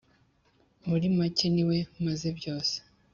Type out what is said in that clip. muri make: «Ni we maze byose».